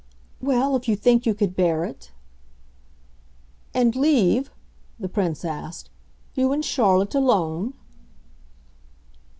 "Well, if you think you could bear it." "And leave," the Prince asked, "you and Charlotte alone?"